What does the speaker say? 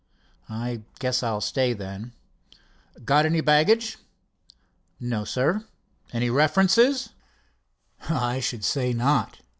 "I guess I'll stay, then." "Got any baggage?" "No, sir." "Any references?" "I should say not!"